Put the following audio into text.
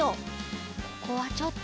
ここはちょっと。